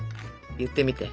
言ってみて。